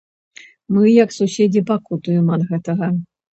Мы як суседзі пакутуем ад гэтага.